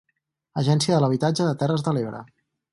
Agència de l'Habitatge de Terres de l'Ebre.